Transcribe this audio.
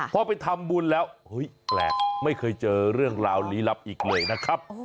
พอไปทำบุญแล้วเฮ้ยแปลกไม่เคยเจอเรื่องราวลี้ลับอีกเลยนะครับ